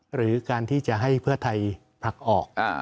หรือการที่จะให้เพื่อไทยผลักออก